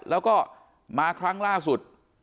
แล้วก็มาครั้งล่าสุด